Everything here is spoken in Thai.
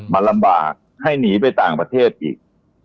มันลำบากให้หนีไปต่างประเทศอีก